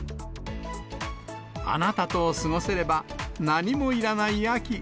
あなたと過ごせれば何もいらない秋。